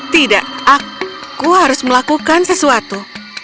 tidak aku harus melakukan sesuatu